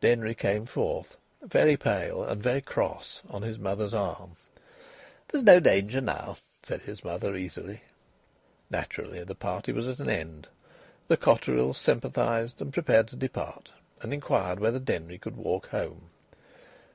Denry came forth, very pale and very cross, on his mother's arm. "There's no danger now," said his mother, easily. Naturally the party was at an end. The Cotterills sympathised, and prepared to depart, and inquired whether Denry could walk home.